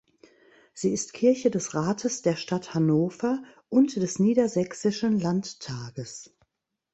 Sie ist Kirche des Rates der Stadt Hannover und des niedersächsischen Landtages.